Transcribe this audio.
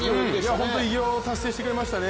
本当に偉業を達成してくれましたね。